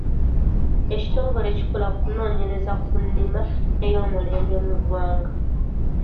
Ekitongole ekikola ku kunoonyereza ku nnima oy’omulembe mu ggwanga.